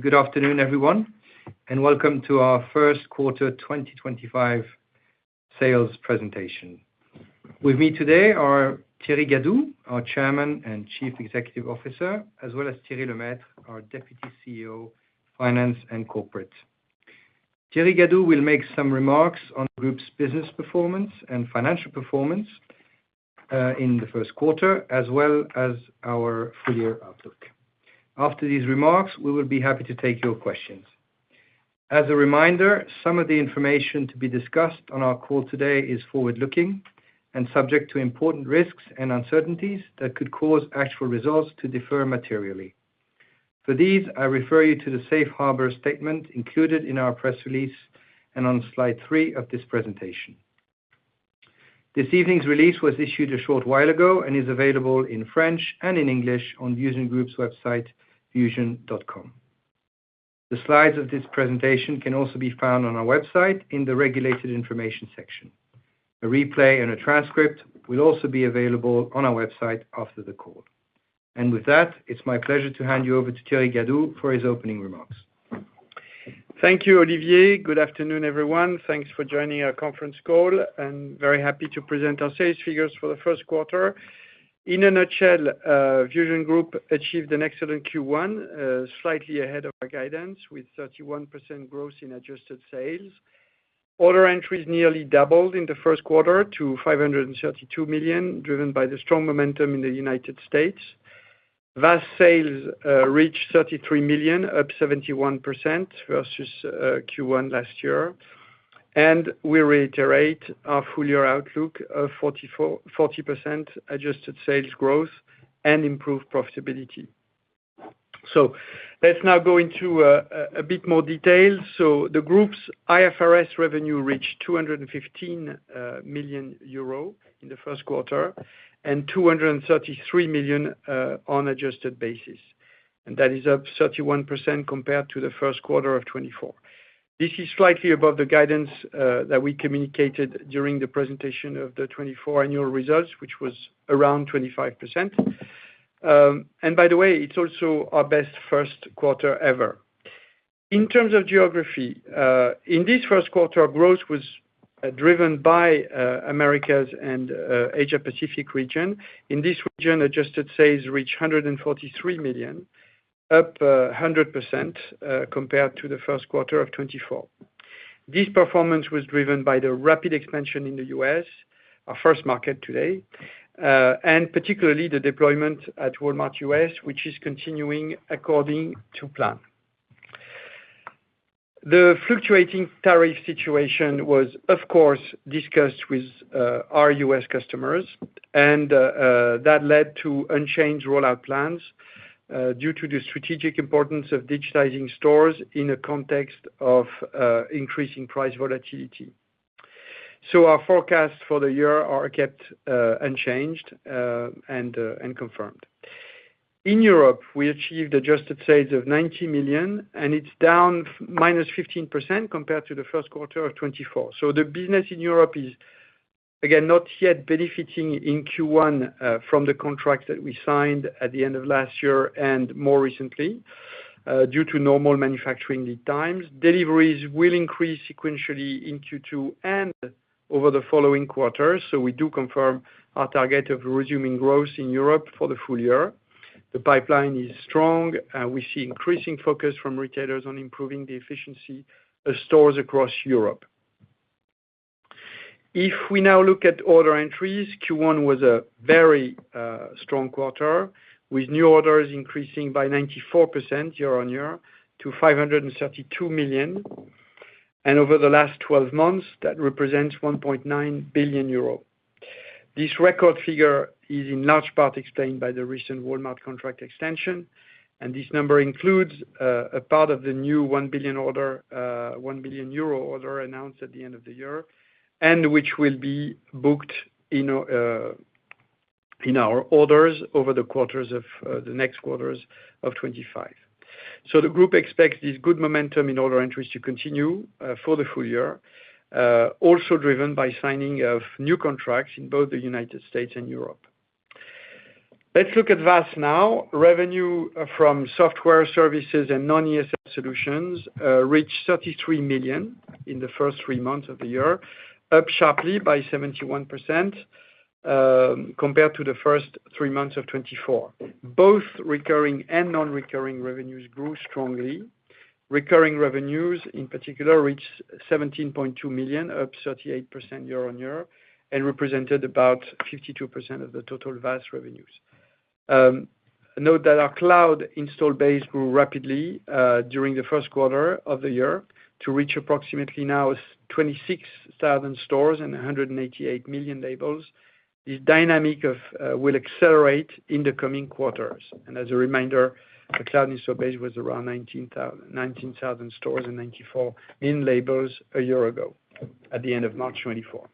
Good afternoon, everyone, and welcome to our First Quarter 2025 Sales Presentation. With me today are Thierry Gadou, our Chairman and Chief Executive Officer, as well as Thierry Lemaitre, our Deputy CEO, Finance and Corporate. Thierry Gadou will make some remarks on the group's business performance and financial performance in the first quarter, as well as our full-year outlook. After these remarks, we will be happy to take your questions. As a reminder, some of the information to be discussed on our call today is forward-looking and subject to important risks and uncertainties that could cause actual results to differ materially. For these, I refer you to the Safe Harbor statement included in our press release and on slide three of this presentation. This evening's release was issued a short while ago and is available in French and in English on VusionGroup's website, vusion.com. The slides of this presentation can also be found on our website in the regulated information section. A replay and a transcript will also be available on our website after the call. It is my pleasure to hand you over to Thierry Gadou for his opening remarks. Thank you, Olivier. Good afternoon, everyone. Thanks for joining our conference call, and very happy to present our sales figures for the first quarter. In a nutshell, VusionGroup achieved an excellent Q1, slightly ahead of our guidance, with 31% growth in adjusted sales. Order entries nearly doubled in the first quarter to €532 million, driven by the strong momentum in the United States. VAS sales reached €33 million, up 71% versus Q1 last year. We reiterate our full-year outlook of 40% adjusted sales growth and improved profitability. Let's now go into a bit more detail. The group's IFRS revenue reached €215 million in the first quarter and €233 million on an adjusted basis. That is up 31% compared to the first quarter of 2024. This is slightly above the guidance that we communicated during the presentation of the 2024 annual results, which was around 25%. By the way, it's also our best first quarter ever. In terms of geography, in this first quarter, growth was driven by the Americas and Asia-Pacific region. In this region, adjusted sales reached €143 million, up 100% compared to the first quarter of 2024. This performance was driven by the rapid expansion in the U.S., our first market today, and particularly the deployment at Walmart U.S., which is continuing according to plan. The fluctuating tariff situation was, of course, discussed with our U.S. customers, and that led to unchanged rollout plans due to the strategic importance of digitizing stores in a context of increasing price volatility. Our forecasts for the year are kept unchanged and confirmed. In Europe, we achieved adjusted sales of €90 million, and it's down -15% compared to the first quarter of 2024. The business in Europe is, again, not yet benefiting in Q1 from the contracts that we signed at the end of last year and more recently due to normal manufacturing lead times. Deliveries will increase sequentially in Q2 and over the following quarters. We do confirm our target of resuming growth in Europe for the full year. The pipeline is strong, and we see increasing focus from retailers on improving the efficiency of stores across Europe. If we now look at order entries, Q1 was a very strong quarter, with new orders increasing by 94% year on year to €532 million. Over the last 12 months, that represents €1.9 billion. This record figure is in large part explained by the recent Walmart contract extension, and this number includes a part of the new €1 billion order announced at the end of the year, and which will be booked in our orders over the next quarters of 2025. The group expects this good momentum in order entries to continue for the full year, also driven by signing of new contracts in both the United States and Europe. Let's look at VAS now. Revenue from software services and non-ESL solutions reached €33 million in the first three months of the year, up sharply by 71% compared to the first three months of 2024. Both recurring and non-recurring revenues grew strongly. Recurring revenues, in particular, reached €17.2 million, up 38% year on year, and represented about 52% of the total VAS revenues. Note that our cloud install base grew rapidly during the first quarter of the year to reach approximately now 26,000 stores and 188 million labels. This dynamic will accelerate in the coming quarters. As a reminder, the cloud install base was around 19,000 stores and 94 million labels a year ago at the end of March 2024.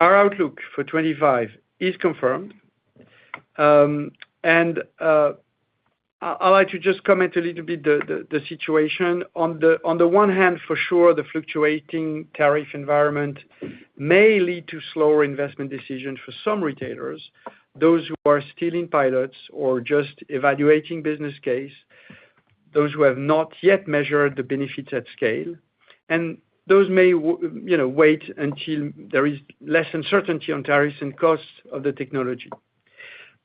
Our outlook for 2025 is confirmed. I'd like to just comment a little bit on the situation. On the one hand, for sure, the fluctuating tariff environment may lead to slower investment decisions for some retailers, those who are still in pilots or just evaluating business case, those who have not yet measured the benefits at scale, and those may wait until there is less uncertainty on tariffs and costs of the technology.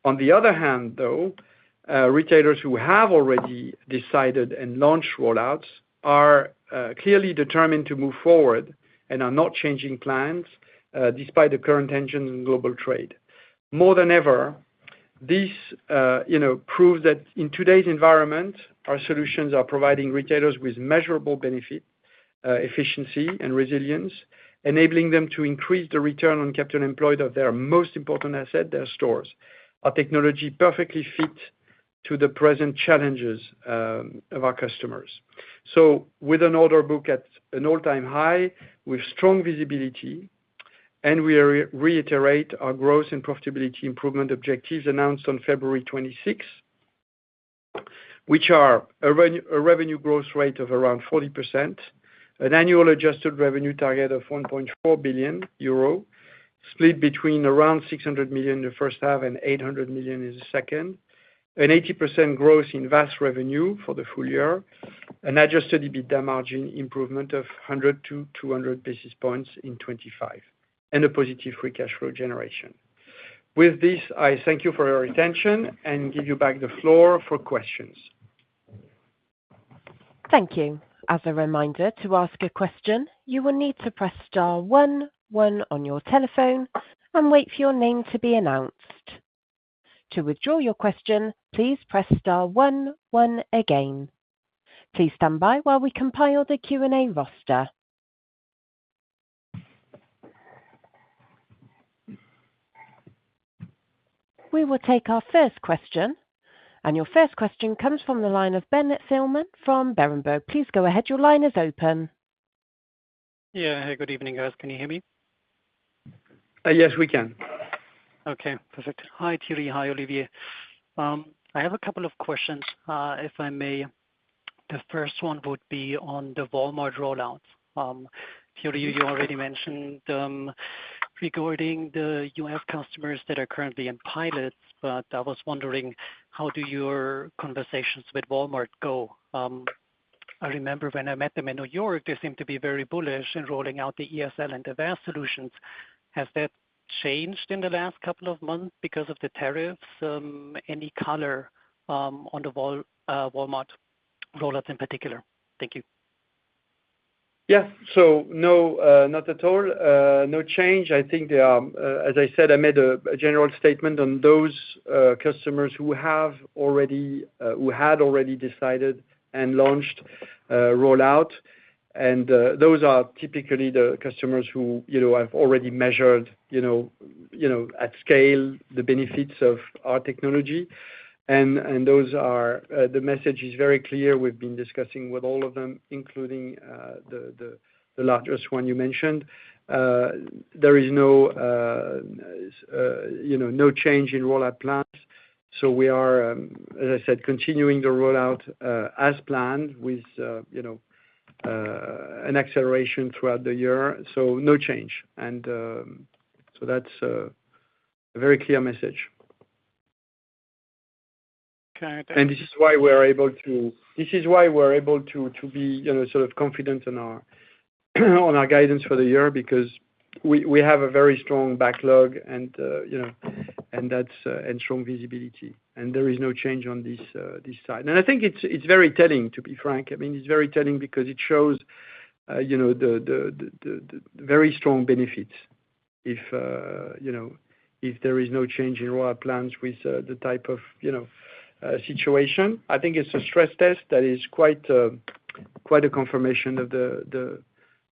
On the other hand, though, retailers who have already decided and launched rollouts are clearly determined to move forward and are not changing plans despite the current tensions in global trade. More than ever, this proves that in today's environment, our solutions are providing retailers with measurable benefit, efficiency, and resilience, enabling them to increase the return on capital employed of their most important asset, their stores. Our technology perfectly fits to the present challenges of our customers. With an order book at an all-time high, with strong visibility, and we reiterate our growth and profitability improvement objectives announced on February 26, which are a revenue growth rate of around 40%, an annual adjusted revenue target of €1.4 billion, split between around €600 million in the first half and €800 million in the second, an 80% growth in VAS revenue for the full year, an adjusted EBITDA margin improvement of 100-200 basis points in 2025, and a positive free cash flow generation. With this, I thank you for your attention and give you back the floor for questions. Thank you. As a reminder, to ask a question, you will need to press star 1 1 on your telephone and wait for your name to be announced. To withdraw your question, please press star 1 1 again. Please stand by while we compile the Q&A roster. We will take our first question. Your first question comes from the line of Ben Thielmann from Berenberg. Please go ahead. Your line is open. Yeah. Hey, good evening, guys. Can you hear me? Yes, we can. Okay. Perfect. Hi, Thierry. Hi, Olivier. I have a couple of questions, if I may. The first one would be on the Walmart rollouts. Thierry, you already mentioned regarding the US customers that are currently in pilots, but I was wondering, how do your conversations with Walmart go? I remember when I met them in New York, they seemed to be very bullish in rolling out the ESL and the VAS solutions. Has that changed in the last couple of months because of the tariffs? Any color on the Walmart rollouts in particular? Thank you. Yes. Not at all. No change. I think, as I said, I made a general statement on those customers who had already decided and launched rollouts. Those are typically the customers who have already measured at scale the benefits of our technology. The message is very clear. We've been discussing with all of them, including the largest one you mentioned. There is no change in rollout plans. We are, as I said, continuing the rollout as planned with an acceleration throughout the year. No change. That is a very clear message. Okay. This is why we're able to be sort of confident on our guidance for the year because we have a very strong backlog and strong visibility. There is no change on this side. I think it's very telling, to be frank. I mean, it's very telling because it shows the very strong benefits if there is no change in rollout plans with the type of situation. I think it's a stress test that is quite a confirmation of the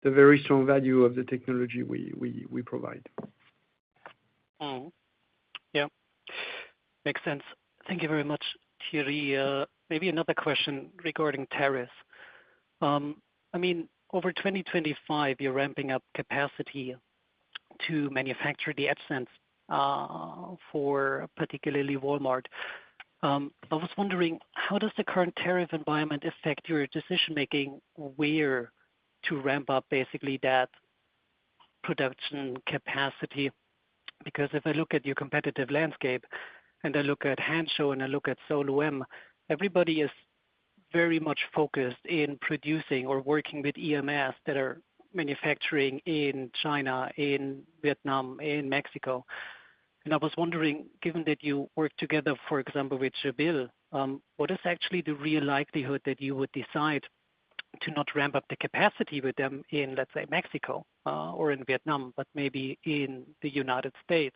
very strong value of the technology we provide. Yeah. Makes sense. Thank you very much, Thierry. Maybe another question regarding tariffs. I mean, over 2025, you're ramping up capacity to manufacture the EdgeSence for particularly Walmart. I was wondering, how does the current tariff environment affect your decision-making where to ramp up basically that production capacity? Because if I look at your competitive landscape and I look at Hanshow and I look at Solum, everybody is very much focused in producing or working with EMS that are manufacturing in China, in Vietnam, in Mexico. I was wondering, given that you work together, for example, with Jabil, what is actually the real likelihood that you would decide to not ramp up the capacity with them in, let's say, Mexico or in Vietnam, but maybe in the United States?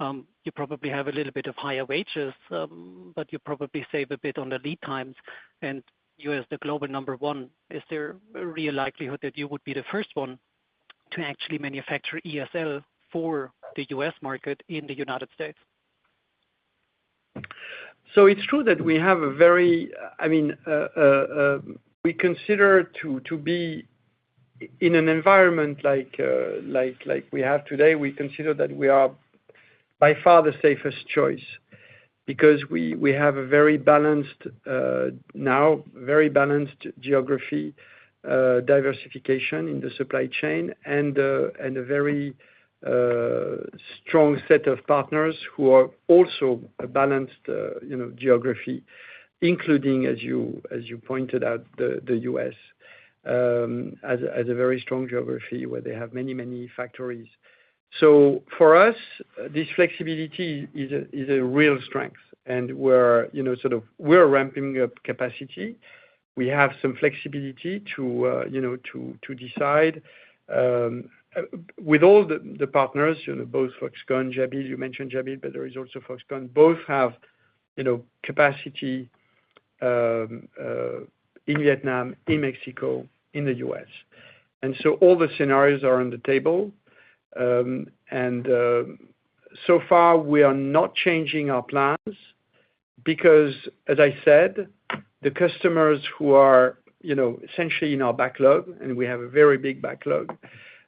You probably have a little bit of higher wages, but you probably save a bit on the lead times. You as the global number one, is there a real likelihood that you would be the first one to actually manufacture ESL for the U.S. market in the United States? It is true that we have a very, I mean, we consider to be in an environment like we have today, we consider that we are by far the safest choice because we have a very balanced now, very balanced geography, diversification in the supply chain, and a very strong set of partners who are also a balanced geography, including, as you pointed out, the U.S. as a very strong geography where they have many, many factories. For us, this flexibility is a real strength. We are sort of ramping up capacity. We have some flexibility to decide. With all the partners, both Foxconn, Jabil, you mentioned Jabil, but there is also Foxconn, both have capacity in Vietnam, in Mexico, in the U.S. All the scenarios are on the table. So far, we are not changing our plans because, as I said, the customers who are essentially in our backlog, and we have a very big backlog,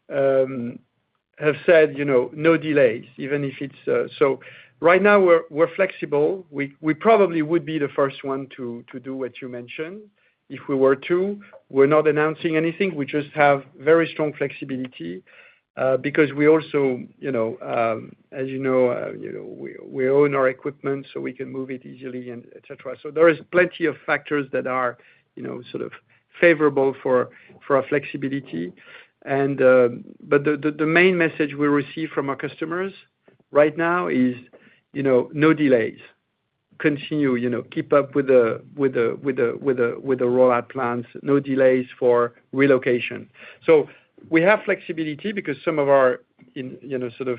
have said, "No delays," even if it's so right now, we're flexible. We probably would be the first one to do what you mentioned if we were to. We're not announcing anything. We just have very strong flexibility because we also, as you know, we own our equipment, so we can move it easily, etc. There are plenty of factors that are sort of favorable for our flexibility. The main message we receive from our customers right now is, "No delays. Continue. Keep up with the rollout plans. No delays for relocation." We have flexibility because some of our sort of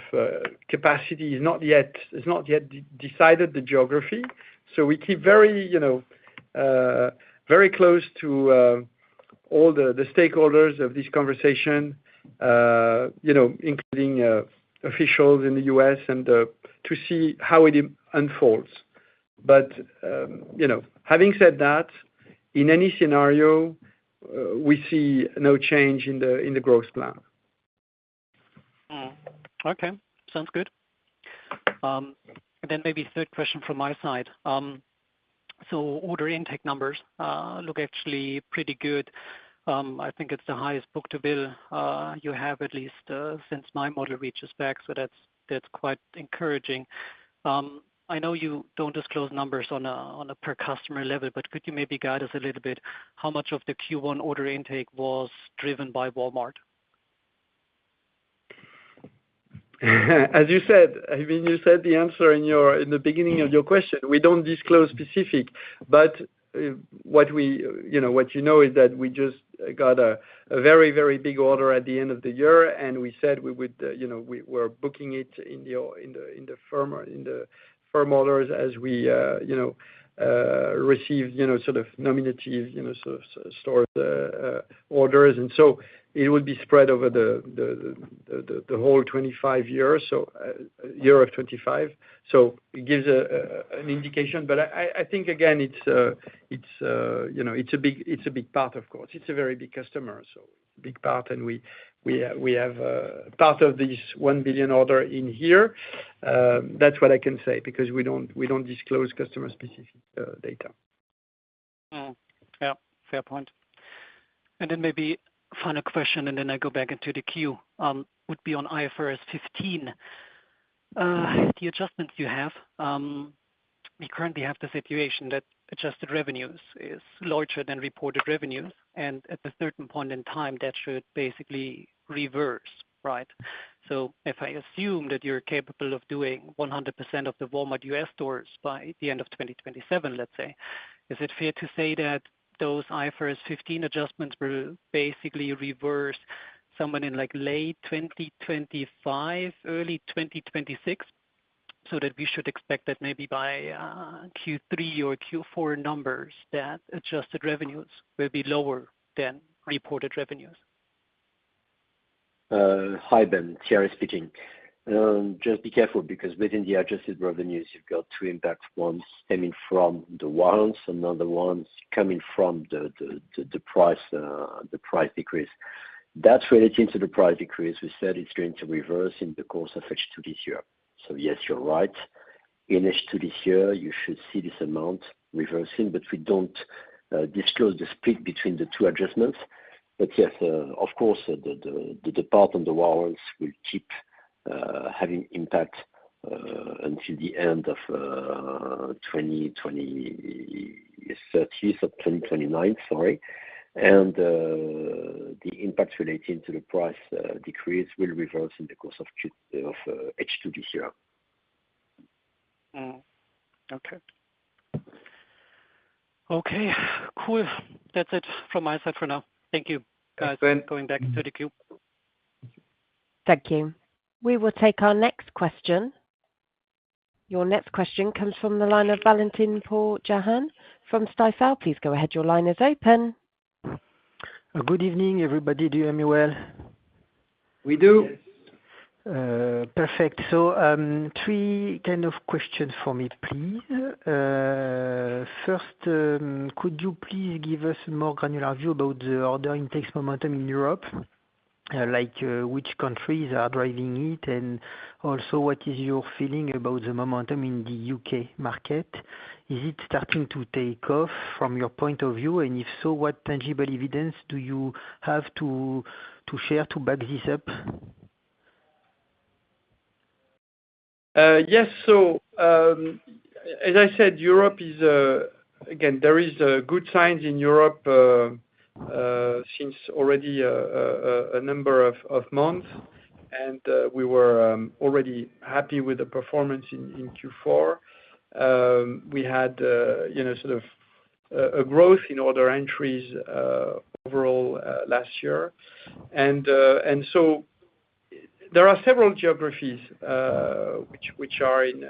capacity is not yet decided, the geography. We keep very close to all the stakeholders of this conversation, including officials in the U.S., and to see how it unfolds. Having said that, in any scenario, we see no change in the growth plan. Okay. Sounds good. Maybe third question from my side. Order intake numbers look actually pretty good. I think it's the highest book to bill you have at least since my model reaches back. That's quite encouraging. I know you don't disclose numbers on a per-customer level, but could you maybe guide us a little bit? How much of the Q1 order intake was driven by Walmart? As you said, I mean, you said the answer in the beginning of your question. We do not disclose specific. But what you know is that we just got a very, very big order at the end of the year, and we said we were booking it in the firm orders as we received sort of nominative store orders. It would be spread over the whole 2025, so year of 2025. It gives an indication. I think, again, it is a big part, of course. It is a very big customer. It is a big part. We have part of this €1 billion order in here. That is what I can say because we do not disclose customer-specific data. Yeah. Fair point. Maybe final question, and then I go back into the queue, would be on IFRS 15. The adjustments you have, we currently have the situation that adjusted revenues is larger than reported revenues. At a certain point in time, that should basically reverse, right? If I assume that you're capable of doing 100% of the Walmart US stores by the end of 2027, let's say, is it fair to say that those IFRS 15 adjustments will basically reverse somewhere in late 2025, early 2026, so that we should expect that maybe by Q3 or Q4 numbers, that adjusted revenues will be lower than reported revenues? Hi Ben, Thierry speaking. Just be careful because within the adjusted revenues, you've got two impacts, one coming from the Walmart and another one coming from the price decrease. That's relating to the price decrease. We said it's going to reverse in the course of H2 this year. Yes, you're right. In H2 this year, you should see this amount reversing. We don't disclose the split between the two adjustments. Yes, of course, the part on the Walmart will keep having impact until the end of 2030, sorry, 2029. The impact relating to the price decrease will reverse in the course of H2 this year. Okay. Okay. Cool. That's it from my side for now. Thank you, guys. Thanks, Ben. Going back into the queue. Thank you. We will take our next question. Your next question comes from the line of Valentin-Paul Jahan from Stifel. Please go ahead. Your line is open. Good evening, everybody. Do you hear me well? We do. Yes. Perfect. Three kind of questions for me, please. First, could you please give us a more granular view about the order intake's momentum in Europe, like which countries are driving it, and also what is your feeling about the momentum in the U.K. market? Is it starting to take off from your point of view? If so, what tangible evidence do you have to share to back this up? Yes. As I said, Europe is again, there are good signs in Europe since already a number of months. We were already happy with the performance in Q4. We had sort of a growth in order entries overall last year. There are several geographies which are in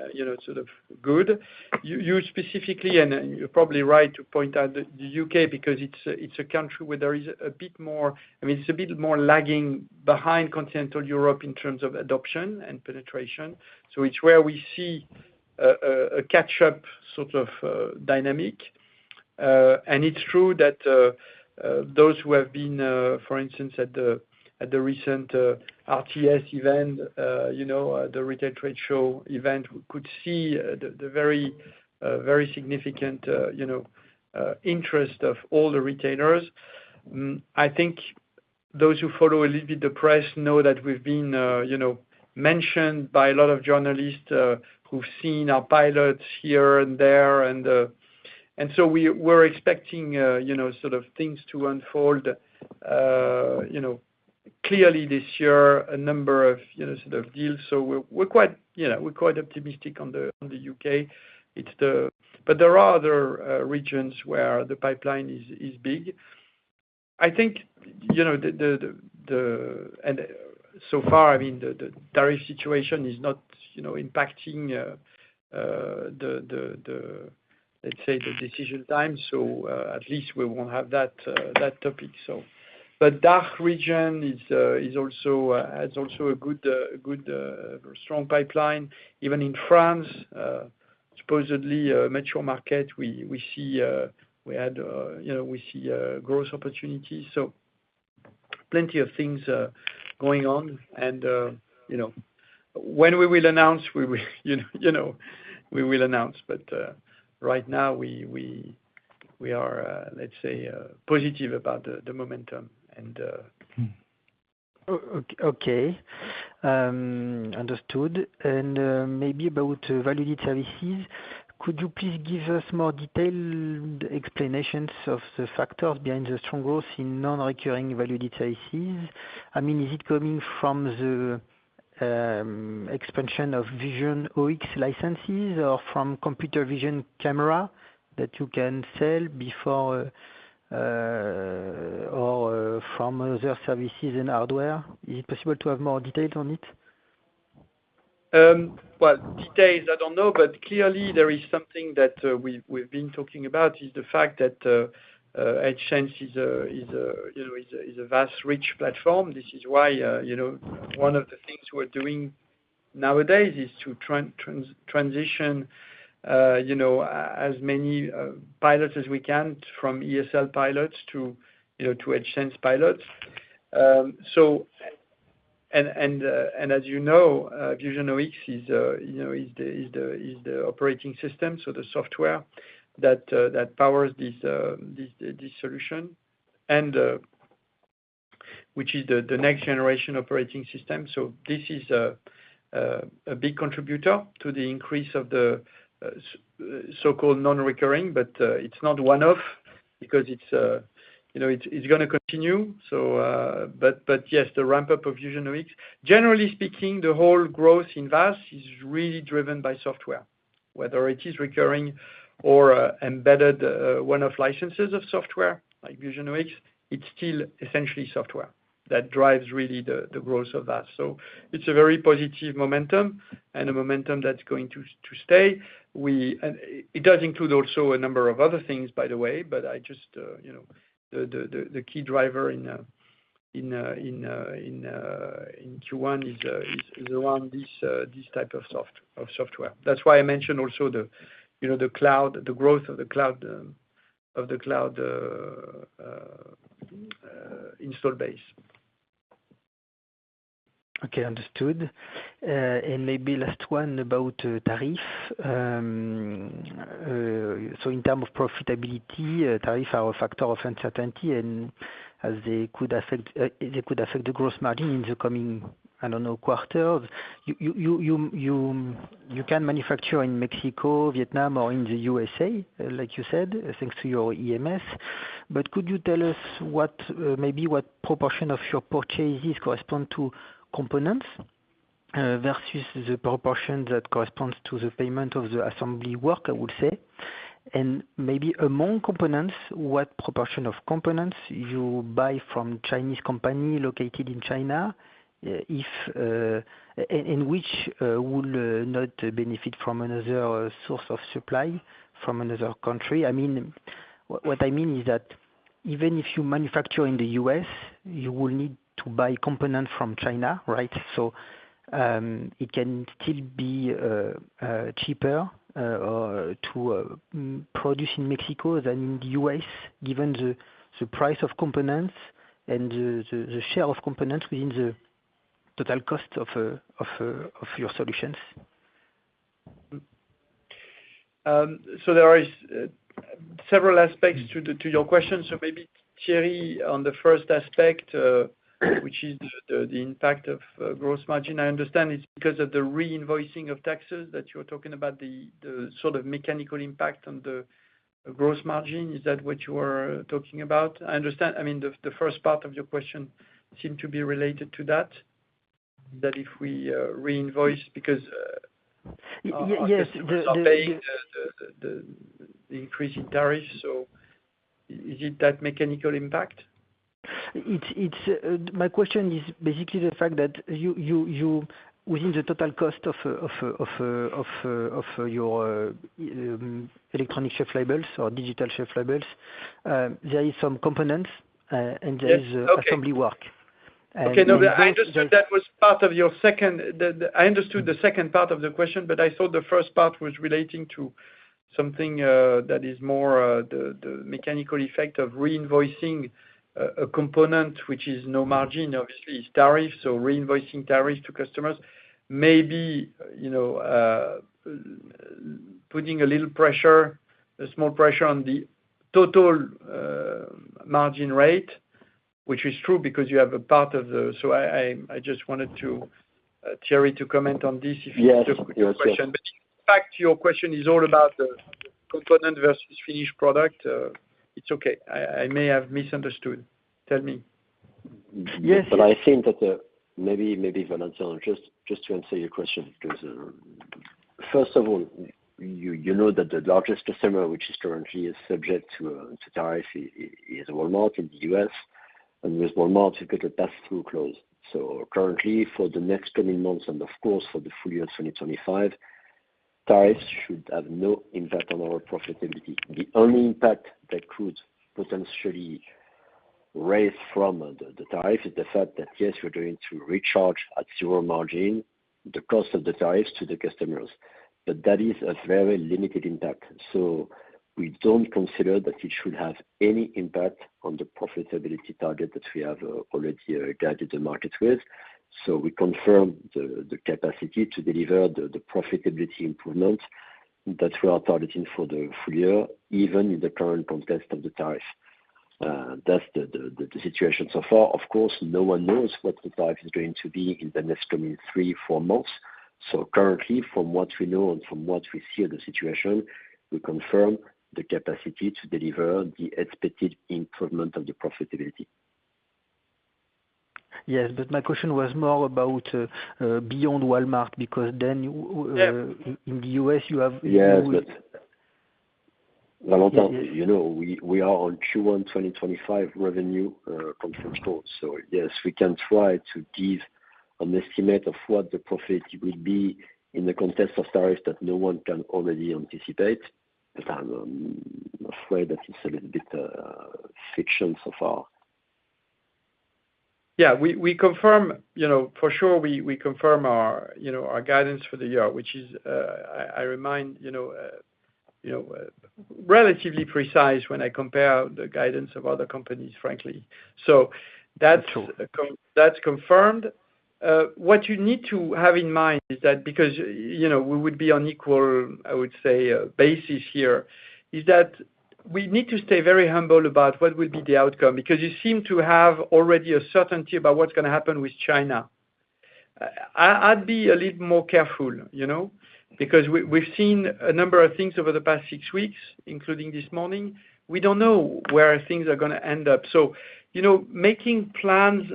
sort of good. You specifically, and you're probably right to point out the U.K. because it's a country where there is a bit more, I mean, it's a bit more lagging behind continental Europe in terms of adoption and penetration. It's where we see a catch-up sort of dynamic. It's true that those who have been, for instance, at the recent RTS event, the retail trade show event, could see the very significant interest of all the retailers. I think those who follow a little bit the press know that we've been mentioned by a lot of journalists who've seen our pilots here and there. We are expecting sort of things to unfold clearly this year, a number of sort of deals. We are quite optimistic on the U.K. There are other regions where the pipeline is big. I think so far, I mean, the tariff situation is not impacting, let's say, the decision time. At least we won't have that topic. The DACH region has also a good, strong pipeline. Even in France, supposedly a mature market, we see growth opportunities. Plenty of things going on. When we will announce, we will announce. Right now, we are, let's say, positive about the momentum. Okay. Understood. Maybe about value details, could you please give us more detailed explanations of the factors behind the strong growth in non-recurring value details? I mean, is it coming from the expansion of VusionOX licenses or from computer vision camera that you can sell before or from other services and hardware? Is it possible to have more details on it? Details, I don't know. Clearly, there is something that we've been talking about, which is the fact that EdgeSense is a vast, rich platform. This is why one of the things we're doing nowadays is to transition as many pilots as we can from ESL pilots to HSense pilots. As you know, VusionOX is the operating system, so the software that powers this solution, which is the next-generation operating system. This is a big contributor to the increase of the so-called non-recurring, but it's not one-off because it's going to continue. Yes, the ramp-up of VusionOX, generally speaking, the whole growth in VAS is really driven by software. Whether it is recurring or embedded one-off licenses of software like VusionOX, it's still essentially software that drives really the growth of VAS. It's a very positive momentum and a momentum that's going to stay. It does include also a number of other things, by the way, but I just the key driver in Q1 is around this type of software. That's why I mentioned also the cloud, the growth of the cloud install base. Okay. Understood. Maybe last one about tariff. In terms of profitability, tariffs are a factor of uncertainty as they could affect the gross margin in the coming, I don't know, quarters. You can manufacture in Mexico, Vietnam, or in the U.S., like you said, thanks to your EMS. Could you tell us maybe what proportion of your purchases correspond to components versus the proportion that corresponds to the payment of the assembly work, I would say? Maybe among components, what proportion of components you buy from Chinese companies located in China and which will not benefit from another source of supply from another country? I mean, what I mean is that even if you manufacture in the U.S., you will need to buy components from China, right? It can still be cheaper to produce in Mexico than in the U.S., given the price of components and the share of components within the total cost of your solutions. There are several aspects to your question. Maybe, Thierry, on the first aspect, which is the impact of gross margin, I understand it's because of the reinvoicing of taxes that you're talking about, the sort of mechanical impact on the gross margin. Is that what you were talking about? I mean, the first part of your question seemed to be related to that, that if we reinvoice because of the increase in tariffs. Is it that mechanical impact? My question is basically the fact that within the total cost of your electronic shelf labels or digital shelf labels, there are some components and there is assembly work. Okay. No, I understood that was part of your second—I understood the second part of the question, but I thought the first part was relating to something that is more the mechanical effect of reinvoicing a component, which is no margin, obviously, is tariffs. So reinvoicing tariffs to customers, maybe putting a little pressure, a small pressure on the total margin rate, which is true because you have a part of the—so I just wanted Thierry to comment on this if you took the question. In fact, your question is all about the component versus finished product. It's okay. I may have misunderstood. Tell me. Yes. I think that maybe, Valentin, just to answer your question, because first of all, you know that the largest customer, which is currently subject to tariffs, is Walmart in the U.S. With Walmart, you've got a pass-through clause. Currently, for the next coming months and, of course, for the full year 2025, tariffs should have no impact on our profitability. The only impact that could potentially raise from the tariff is the fact that, yes, we're going to recharge at zero margin, the cost of the tariffs to the customers. That is a very limited impact. We do not consider that it should have any impact on the profitability target that we have already guided the market with. We confirm the capacity to deliver the profitability improvement that we are targeting for the full year, even in the current context of the tariff. That's the situation so far. Of course, no one knows what the tariff is going to be in the next coming three or four months. Currently, from what we know and from what we see of the situation, we confirm the capacity to deliver the expected improvement of the profitability. Yes. My question was more about beyond Walmart because then in the U.S., you have. Yes. Valentin, we are on Q1 2025 revenue from H2. Yes, we can try to give an estimate of what the profit will be in the context of tariffs that no one can already anticipate. I'm afraid that it's a little bit fiction so far. Yeah. For sure, we confirm our guidance for the year, which is, I remind, relatively precise when I compare the guidance of other companies, frankly. That is confirmed. What you need to have in mind is that because we would be on equal, I would say, basis here, we need to stay very humble about what will be the outcome because you seem to have already a certainty about what's going to happen with China. I'd be a little more careful because we've seen a number of things over the past six weeks, including this morning. We do not know where things are going to end up. Making plans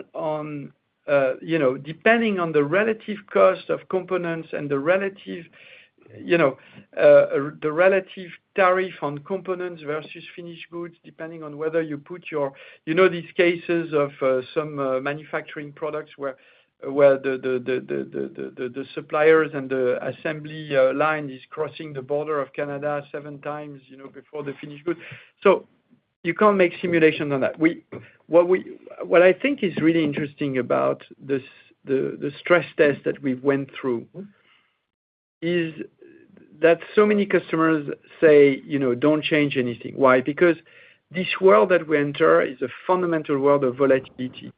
depending on the relative cost of components and the relative tariff on components versus finished goods, depending on whether you put your, you know, these cases of some manufacturing products where the suppliers and the assembly line is crossing the border of Canada seven times before the finished goods. You can't make simulations on that. What I think is really interesting about the stress test that we went through is that so many customers say, "Don't change anything." Why? Because this world that we enter is a fundamental world of volatility.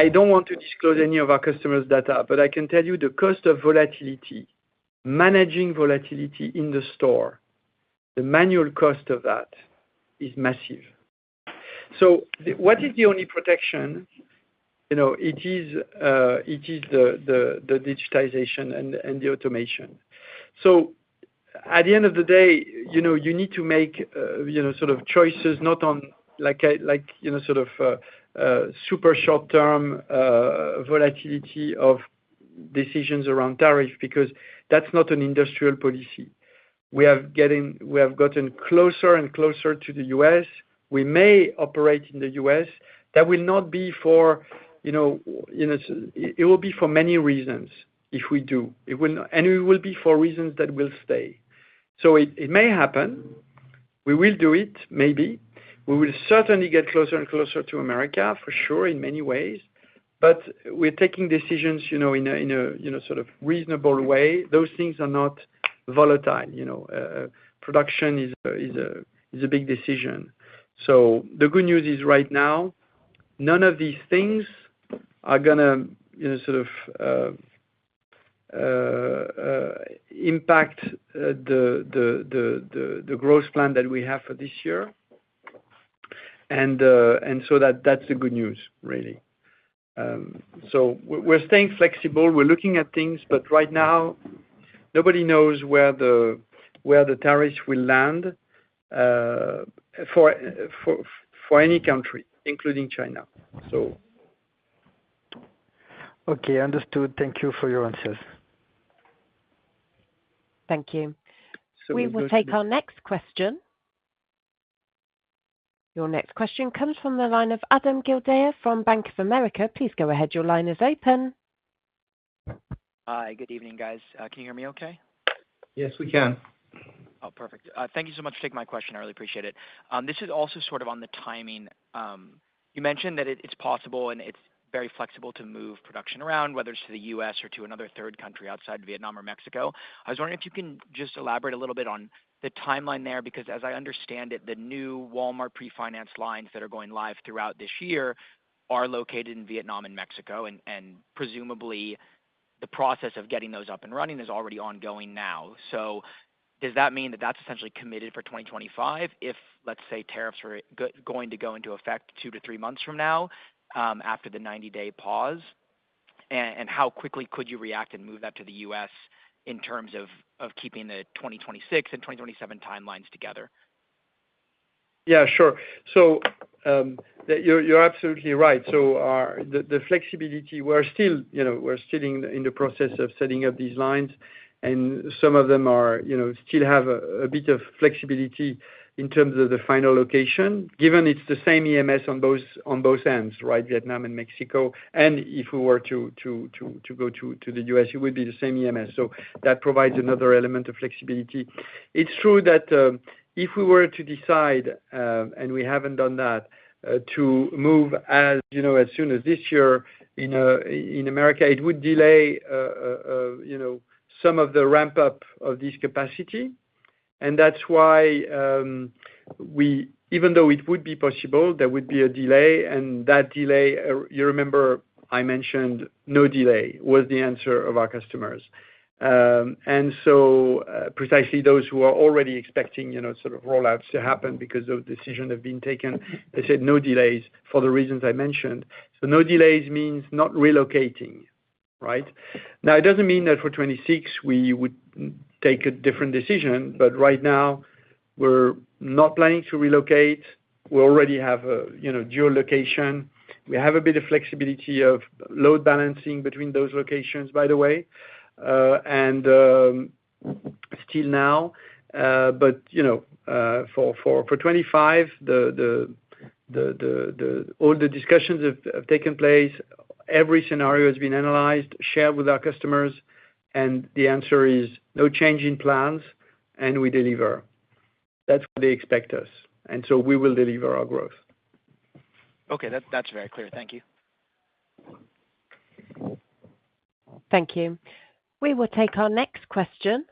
I don't want to disclose any of our customers' data, but I can tell you the cost of volatility, managing volatility in the store, the manual cost of that is massive. What is the only protection? It is the digitization and the automation. At the end of the day, you need to make sort of choices not on sort of super short-term volatility of decisions around tariffs because that's not an industrial policy. We have gotten closer and closer to the U.S. We may operate in the U.S. That will not be for it will be for many reasons if we do. And it will be for reasons that will stay. It may happen. We will do it, maybe. We will certainly get closer and closer to America, for sure, in many ways. We're taking decisions in a sort of reasonable way. Those things are not volatile. Production is a big decision. The good news is right now, none of these things are going to sort of impact the growth plan that we have for this year. That's the good news, really. We're staying flexible. We're looking at things. Right now, nobody knows where the tariffs will land for any country, including China. Okay. Understood. Thank you for your answers. Thank you. We will take our next question. Your next question comes from the line of Adam Gildea from Bank of America. Please go ahead. Your line is open. Hi. Good evening, guys. Can you hear me okay? Yes, we can. Oh, perfect. Thank you so much for taking my question. I really appreciate it. This is also sort of on the timing. You mentioned that it's possible and it's very flexible to move production around, whether it's to the U.S. or to another third country outside Vietnam or Mexico. I was wondering if you can just elaborate a little bit on the timeline there because, as I understand it, the new Walmart pre-finance lines that are going live throughout this year are located in Vietnam and Mexico. Presumably, the process of getting those up and running is already ongoing now. Does that mean that that's essentially committed for 2025 if, let's say, tariffs were going to go into effect two to three months from now after the 90-day pause? How quickly could you react and move that to the U.S. in terms of keeping the 2026 and 2027 timelines together? Yeah, sure. You're absolutely right. The flexibility, we're still in the process of setting up these lines. Some of them still have a bit of flexibility in terms of the final location, given it's the same EMS on both ends, right, Vietnam and Mexico. If we were to go to the U.S., it would be the same EMS. That provides another element of flexibility. It's true that if we were to decide, and we haven't done that, to move as soon as this year in America, it would delay some of the ramp-up of this capacity. That's why, even though it would be possible, there would be a delay. That delay, you remember I mentioned no delay was the answer of our customers. Precisely those who are already expecting sort of rollouts to happen because those decisions have been taken, they said no delays for the reasons I mentioned. No delays means not relocating, right? Now, it does not mean that for 2026 we would take a different decision. Right now, we are not planning to relocate. We already have a dual location. We have a bit of flexibility of load balancing between those locations, by the way, and still now. For 2025, all the discussions have taken place. Every scenario has been analyzed, shared with our customers. The answer is no change in plans, and we deliver. That is what they expect us. We will deliver our growth. Okay. That's very clear. Thank you. Thank you. We will take our next question.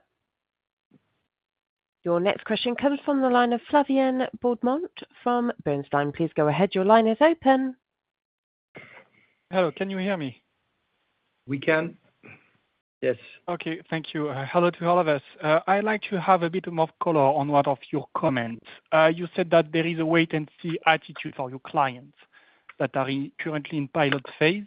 Your next question comes from the line of Flavien Bourdmont from Bernstein. Please go ahead. Your line is open. Hello. Can you hear me? We can. Yes. Okay. Thank you. Hello to all of us. I'd like to have a bit more color on one of your comments. You said that there is a wait-and-see attitude for your clients that are currently in pilot phase.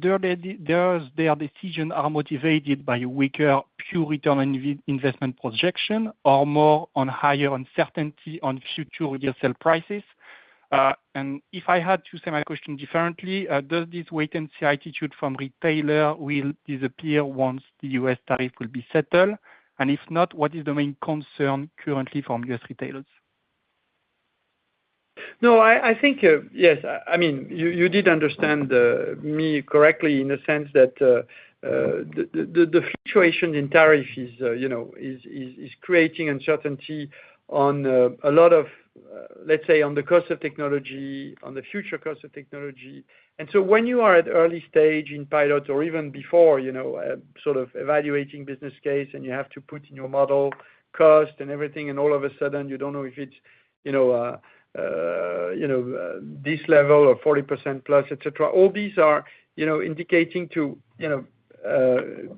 Do their decisions are motivated by weaker pure return on investment projection or more on higher uncertainty on future real sale prices? If I had to say my question differently, does this wait-and-see attitude from retailers will disappear once the U.S. tariff will be settled? If not, what is the main concern currently from U.S. retailers? No, I think, yes. I mean, you did understand me correctly in the sense that the fluctuation in tariff is creating uncertainty on a lot of, let's say, on the cost of technology, on the future cost of technology. When you are at early stage in pilots or even before sort of evaluating business case and you have to put in your model cost and everything, and all of a sudden, you do not know if it is this level or 40% plus, etc., all these are indicating to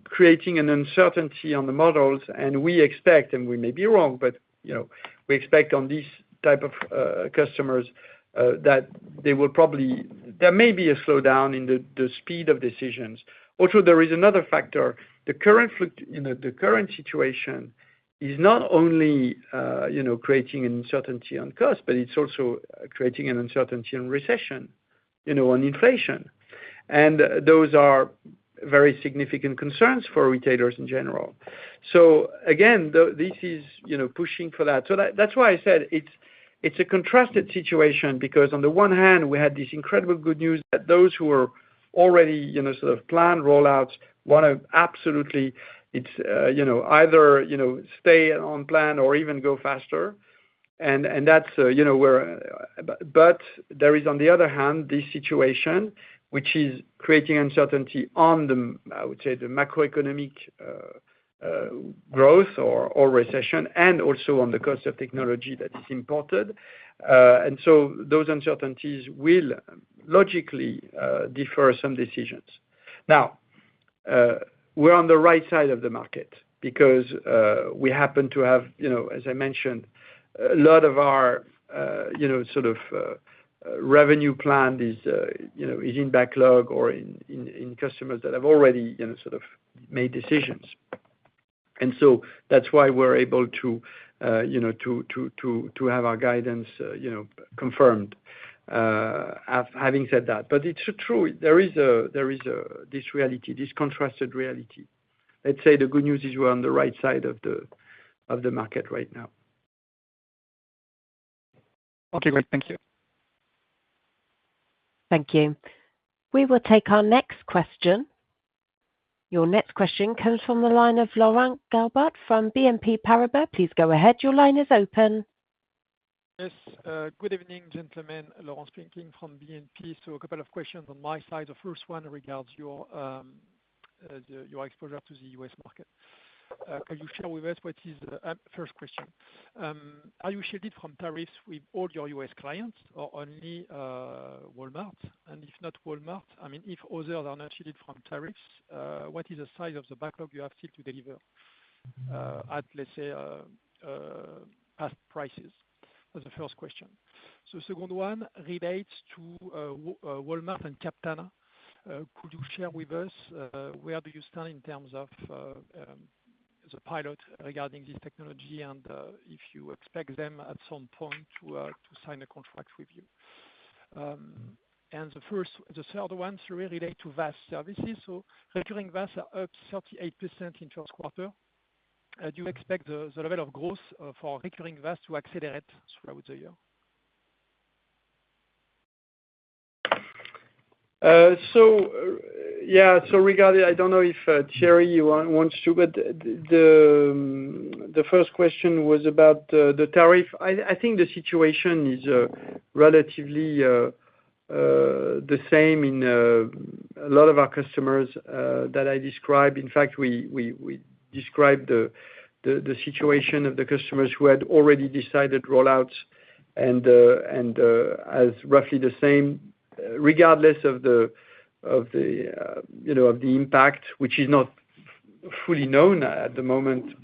creating an uncertainty on the models. We expect, and we may be wrong, but we expect on these type of customers that there will probably, there may be a slowdown in the speed of decisions. Also, there is another factor. The current situation is not only creating an uncertainty on cost, but it's also creating an uncertainty on recession, on inflation. Those are very significant concerns for retailers in general. This is pushing for that. That is why I said it's a contrasted situation because, on the one hand, we had this incredible good news that those who were already sort of planned rollouts want to absolutely either stay on plan or even go faster. There is, on the other hand, this situation, which is creating uncertainty on, I would say, the macroeconomic growth or recession and also on the cost of technology that is imported. Those uncertainties will logically defer some decisions. Now, we're on the right side of the market because we happen to have, as I mentioned, a lot of our sort of revenue plan is in backlog or in customers that have already sort of made decisions. That is why we're able to have our guidance confirmed. Having said that, it's true. There is this reality, this contrasted reality. Let's say the good news is we're on the right side of the market right now. Okay. Great. Thank you. Thank you. We will take our next question. Your next question comes from the line of Laurent Gelebart from BNP Paribas. Please go ahead. Your line is open. Yes. Good evening, gentlemen. Laurent speaking from BNP Paribas. A couple of questions on my side. The first one regards your exposure to the U.S. market. Can you share with us what is the first question? Are you shielded from tariffs with all your U.S. clients or only Walmart? If not Walmart, I mean, if others are not shielded from tariffs, what is the size of the backlog you have still to deliver at, let's say, past prices? That is the first question. The second one relates to Walmart and Captana. Could you share with us where you stand in terms of the pilot regarding this technology and if you expect them at some point to sign a contract with you? The third one relates to VAS services. Recurring VAS are up 38% in the first quarter. Do you expect the level of growth for recurring VAS to accelerate throughout the year? Yeah. Regarding, I do not know if Thierry wants to, but the first question was about the tariff. I think the situation is relatively the same in a lot of our customers that I described. In fact, we described the situation of the customers who had already decided rollouts as roughly the same, regardless of the impact, which is not fully known at the moment.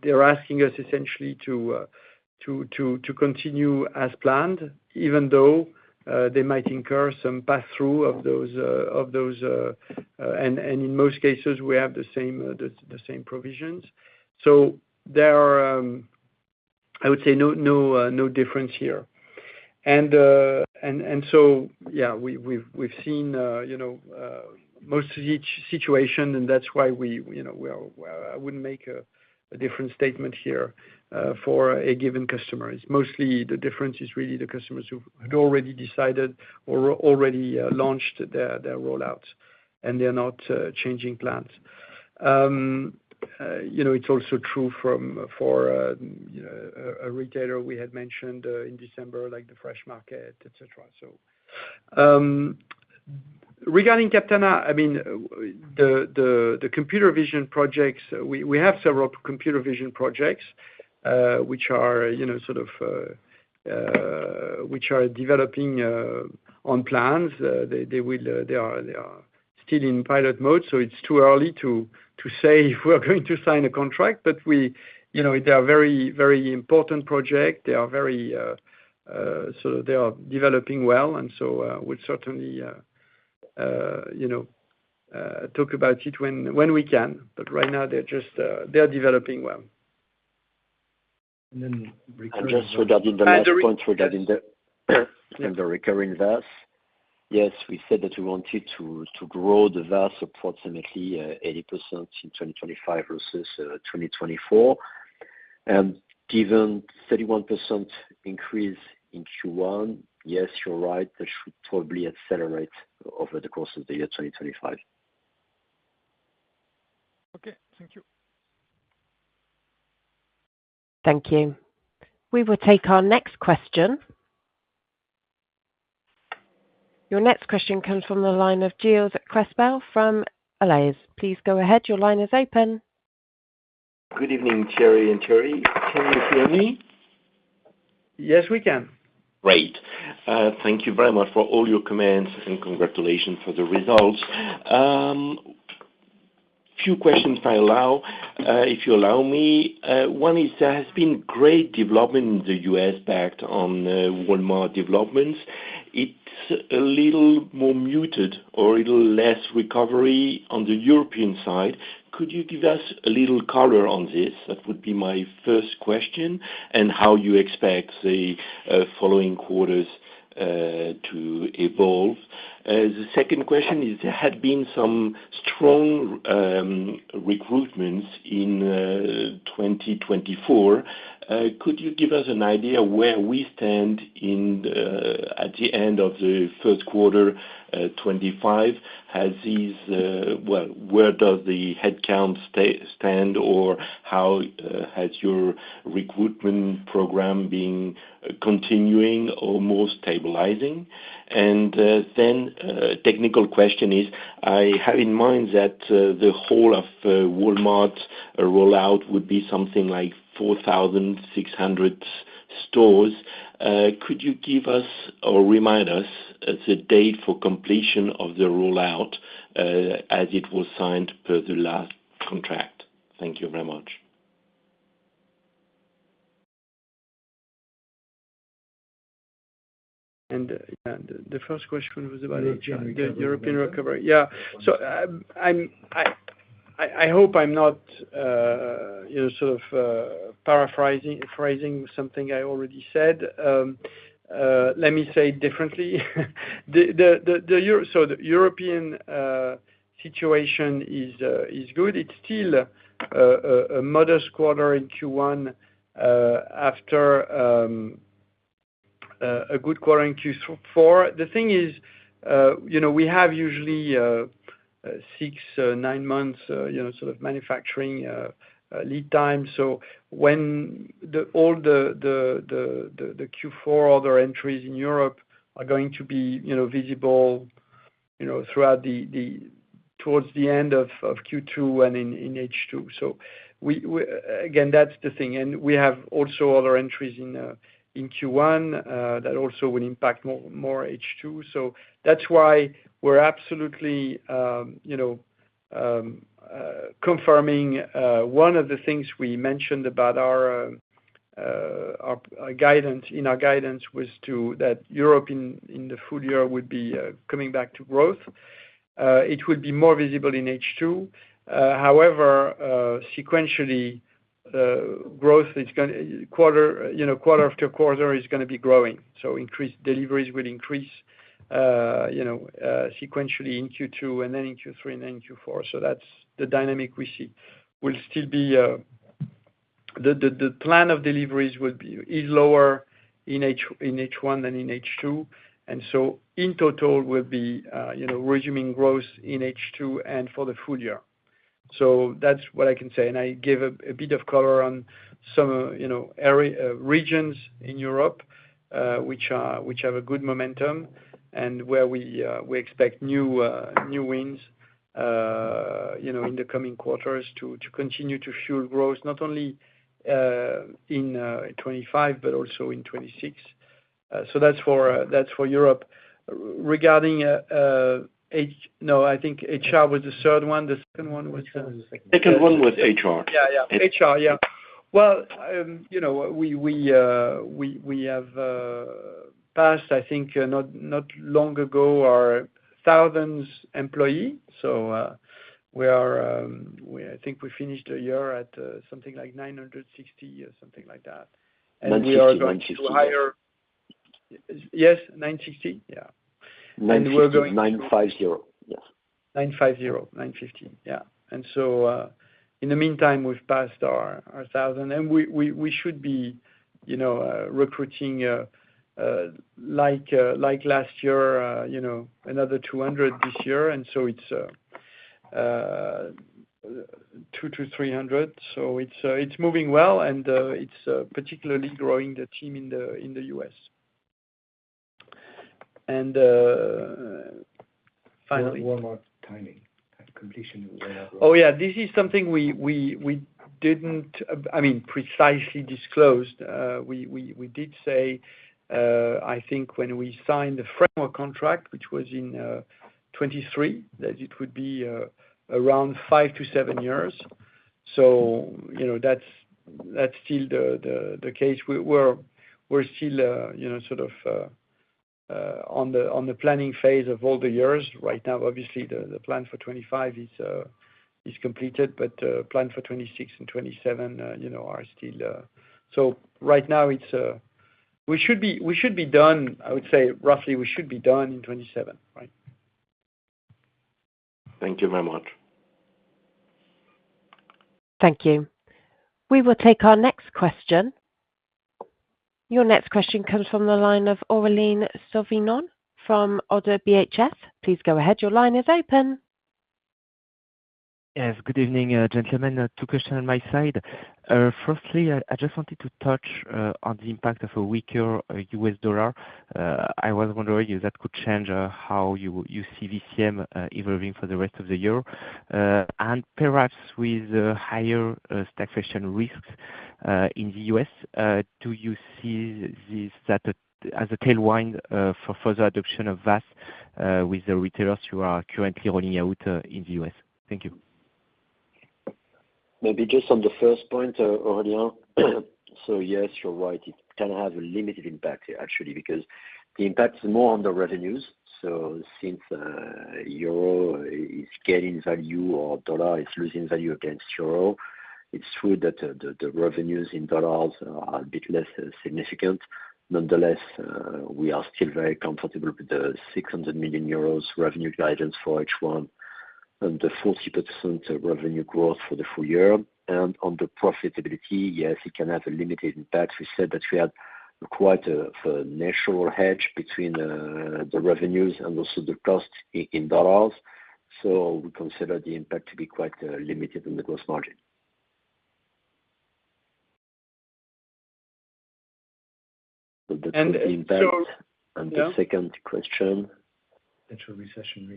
They are asking us essentially to continue as planned, even though they might incur some pass-through of those. In most cases, we have the same provisions. There are, I would say, no difference here. Yeah, we have seen most situations, and that is why I would not make a different statement here for a given customer. Mostly, the difference is really the customers who had already decided or already launched their rollouts, and they are not changing plans. It's also true for a retailer we had mentioned in December, like the Freshmarket, etc. Regarding Captana, I mean, the computer vision projects, we have several computer vision projects which are sort of developing on plans. They are still in pilot mode. It's too early to say if we're going to sign a contract. They are very, very important projects. They are very sort of they are developing well. We'll certainly talk about it when we can. Right now, they're just developing well. Just regarding the next point regarding the recurring VAS, yes, we said that we wanted to grow the VAS approximately 80% in 2025 versus 2024. Given the 31% increase in Q1, yes, you're right. That should probably accelerate over the course of the year 2025. Okay. Thank you. Thank you. We will take our next question. Your next question comes from the line of Gilles Crespel from Alizés. Please go ahead. Your line is open. Good evening, Thierry and Thierry. Can you hear me? Yes, we can. Great. Thank you very much for all your comments and congratulations for the results. Few questions if I allow me. One is there has been great development in the U.S. backed on Walmart developments. It's a little more muted or a little less recovery on the European side. Could you give us a little color on this? That would be my first question and how you expect the following quarters to evolve. The second question is there had been some strong recruitments in 2024. Could you give us an idea where we stand at the end of the first quarter 2025? Has these, well, where does the headcount stand, or how has your recruitment program been continuing or more stabilizing? Then technical question is I have in mind that the whole of Walmart rollout would be something like 4,600 stores. Could you give us or remind us the date for completion of the rollout as it was signed per the last contract? Thank you very much. The first question was about the European recovery. Yeah. I hope I'm not sort of paraphrasing something I already said. Let me say it differently. The European situation is good. It's still a modest quarter in Q1 after a good quarter in Q4. The thing is we have usually six-nine months sort of manufacturing lead time. When all the Q4 order entries in Europe are going to be visible towards the end of Q2 and in H2. That's the thing. We have also other entries in Q1 that also will impact more H2. That's why we're absolutely confirming one of the things we mentioned about our guidance. In our guidance was that Europe in the full year would be coming back to growth. It would be more visible in H2. However, sequentially, growth is going to quarter after quarter is going to be growing. Increased deliveries will increase sequentially in Q2 and then in Q3 and then in Q4. That is the dynamic we see. Will still be the plan of deliveries is lower in H1 than in H2. In total, we will be resuming growth in H2 and for the full year. That is what I can say. I gave a bit of color on some regions in Europe which have a good momentum and where we expect new wins in the coming quarters to continue to fuel growth not only in 2025 but also in 2026. That is for Europe. Regarding H no, I think HR was the third one. The second one was HR. Yeah, yeah. HR, yeah. We have passed, I think not long ago, our thousand employees. I think we finished the year at something like 960 or something like that. We are going to. 960, 950. Yes, 960. Yeah. 960, 950. Yeah. 950, 950. Yeah. In the meantime, we've passed our thousand. We should be recruiting like last year, another 200 this year. It is 200-300. It is moving well, and it is particularly growing the team in the U.S. Finally. Walmart timing, completion? Oh, yeah. This is something we didn't, I mean, precisely disclose. We did say, I think, when we signed the framework contract, which was in 2023, that it would be around five to seven years. That is still the case. We're still sort of on the planning phase of all the years. Right now, obviously, the plan for 2025 is completed, but plan for 2026 and 2027 are still. Right now, we should be done. I would say roughly we should be done in 2027, right? Thank you very much. Thank you. We will take our next question. Your next question comes from the line of Aurélien Sivignon from ODDO BHF. Please go ahead. Your line is open. Yes. Good evening, gentlemen. Two questions on my side. Firstly, I just wanted to touch on the impact of a weaker US dollar. I was wondering if that could change how you see VCM evolving for the rest of the year and perhaps with higher stagflation risks in the U.S. Do you see this as a tailwind for further adoption of VAS with the retailers you are currently rolling out in the U.S.? Thank you. Maybe just on the first point, Aurélien. Yes, you're right. It can have a limited impact, actually, because the impact is more on the revenues, since. You're getting value or the dollar is losing value against euro, it's true that the revenues in dollars are a bit less significant. Nonetheless, we are still very comfortable with the €600 million revenue guidance for H1 and the 40% revenue growth for the full year. On the profitability, yes, it can have a limited impact. We said that we had quite a natural hedge between the revenues and also the cost in dollars. We consider the impact to be quite limited on the gross margin. That's the impact. The second question. Natural recession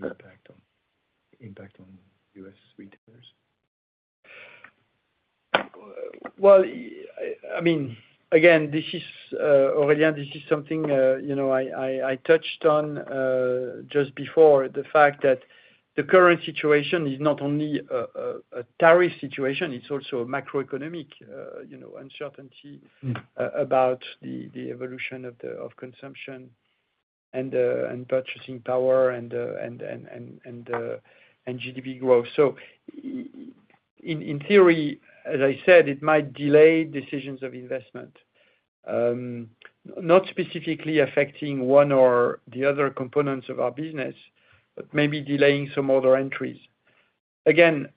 impact on U.S. retailers? I mean, again, Aurelién, this is something I touched on just before, the fact that the current situation is not only a tariff situation. It is also a macroeconomic uncertainty about the evolution of consumption and purchasing power and GDP growth. In theory, as I said, it might delay decisions of investment, not specifically affecting one or the other components of our business, but maybe delaying some other entries. Again,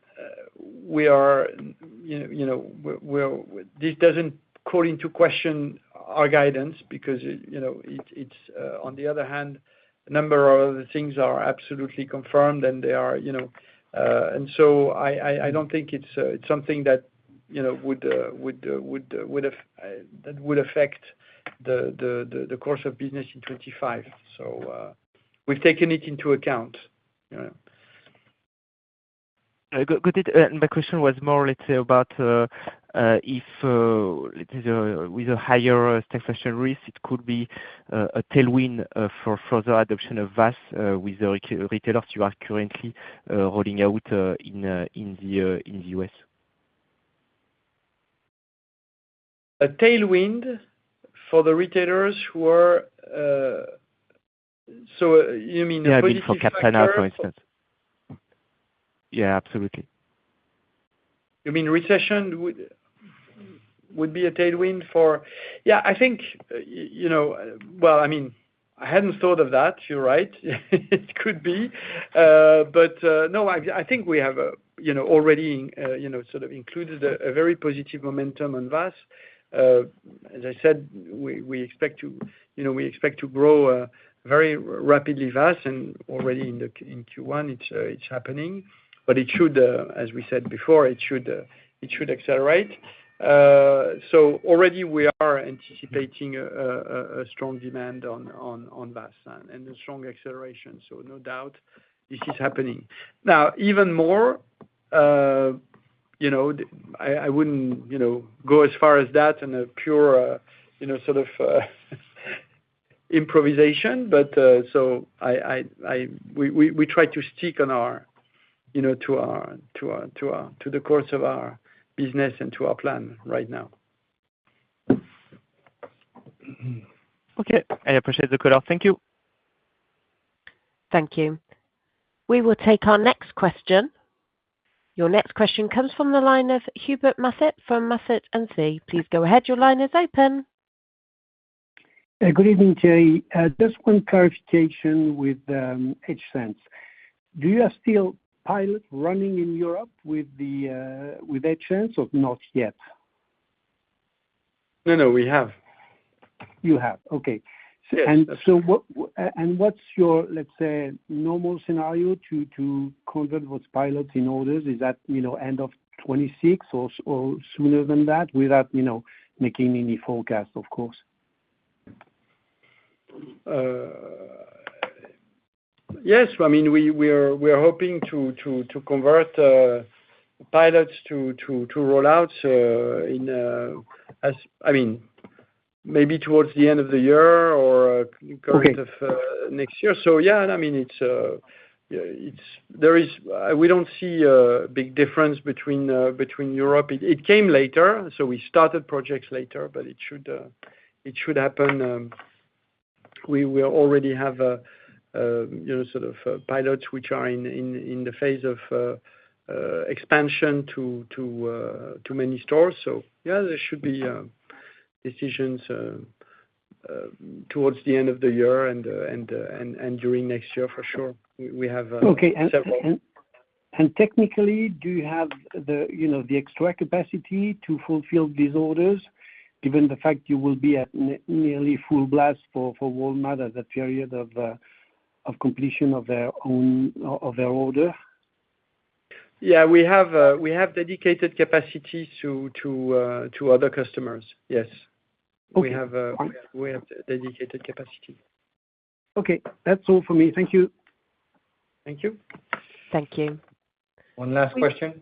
this does not call into question our guidance because, on the other hand, a number of other things are absolutely confirmed, and they are, and I do not think it is something that would affect the course of business in 2025. We have taken it into account. My question was more about if with a higher stagflation risk, it could be a tailwind for further adoption of VAS with the retailers you are currently rolling out in the U.S.? A tailwind for the retailers who are so you mean the. Yeah, for Captana, for instance. Yeah, absolutely. You mean recession would be a tailwind for yeah, I think, I mean, I hadn't thought of that. You're right. It could be. No, I think we have already sort of included a very positive momentum on VAS. As I said, we expect to grow very rapidly VAS, and already in Q1, it's happening. It should, as we said before, it should accelerate. Already, we are anticipating a strong demand on VAS and a strong acceleration. No doubt, this is happening. Even more, I wouldn't go as far as that in a pure sort of improvisation. We try to stick to the course of our business and to our plan right now. Okay. I appreciate the call. Thank you. Thank you. We will take our next question. Your next question comes from the line of Hubert Mathet from Mathet & Cie. Please go ahead. Your line is open. Good evening, Thierry. Just one clarification with EdgeSense. Do you still have pilots running in Europe with EdgeSense or not yet? No. We have. You have. Okay. What is your, let's say, normal scenario to convert those pilots in orders? Is that end of 2026 or sooner than that without making any forecast, of course? Yes. I mean, we are hoping to convert pilots to rollouts in, I mean, maybe towards the end of the year or kind of next year. Yeah, I mean, we do not see a big difference between Europe. It came later. We started projects later, but it should happen. We already have sort of pilots which are in the phase of expansion to many stores. Yeah, there should be decisions towards the end of the year and during next year, for sure. We have several. Okay. Technically, do you have the extra capacity to fulfill these orders given the fact you will be at nearly full blast for Walmart at that period of completion of their order? Yeah. We have dedicated capacity to other customers. Yes, we have dedicated capacity. Okay. That's all for me. Thank you. Thank you. Thank you. One last question.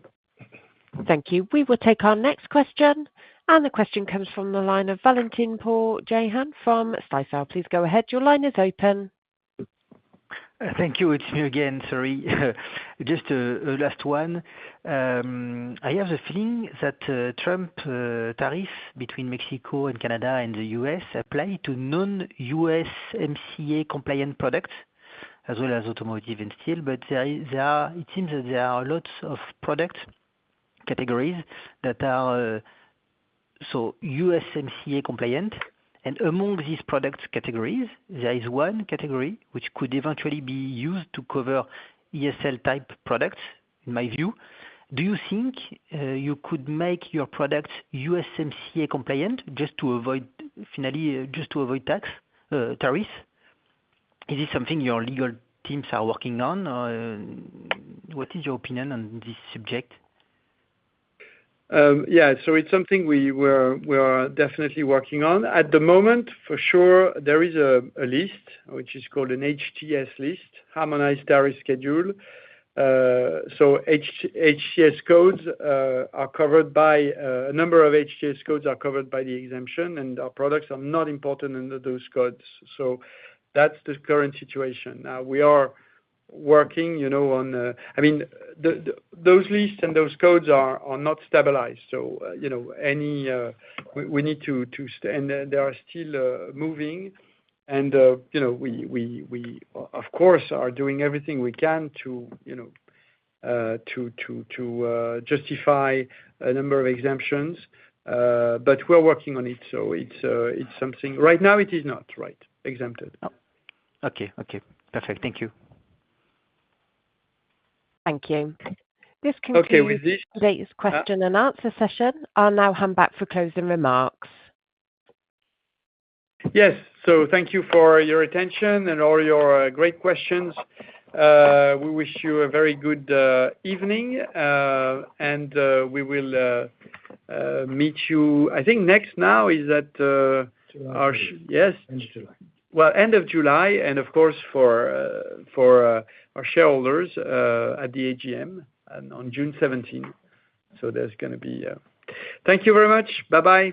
Thank you. We will take our next question. The question comes from the line of Valentine-Paul Jehan from Stifel. Please go ahead. Your line is open. Thank you. It's me again, sorry. Just the last one. I have the feeling that Trump tariffs between Mexico and Canada and the U.S. apply to non-USMCA compliant products as well as automotive and steel. It seems that there are lots of product categories that are USMCA compliant. Among these product categories, there is one category which could eventually be used to cover ESL-type products, in my view. Do you think you could make your products USMCA compliant just to avoid, finally, just to avoid tax tariffs? Is this something your legal teams are working on? What is your opinion on this subject? Yeah. It is something we are definitely working on. At the moment, for sure, there is a list which is called an HTS list, Harmonized Tariff Schedule. HTS codes are covered by a number of HTS codes are covered by the exemption, and our products are not imported under those codes. That is the current situation. Now, we are working on, I mean, those lists and those codes are not stabilized. We need to, and they are still moving. We, of course, are doing everything we can to justify a number of exemptions. We are working on it. Right now, it is not exempted. Okay. Okay. Perfect. Thank you. Thank you. This concludes today's question and answer session. I'll now hand back for closing remarks. Yes. Thank you for your attention and all your great questions. We wish you a very good evening, and we will meet you, I think, next now is at our. July. Yes. End of July. And of course, for our shareholders at the AGM on June 17th. There is going to be thank you very much. Bye-bye.